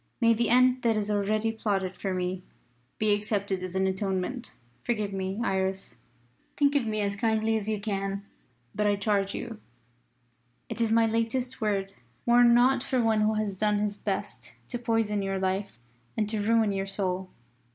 May the end that is already plotted for me be accepted as an atonement! Forgive me, Iris! Think of me as kindly as you can. But I charge you it is my latest word mourn not for one who has done his best to poison your life and to ruin your soul."